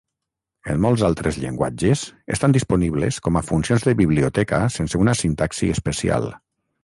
En molts altres llenguatges, estan disponibles com a funcions de biblioteca sense una sintaxi especial.